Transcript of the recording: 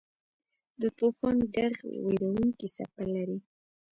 د طوفان ږغ وېرونکې څپه لري.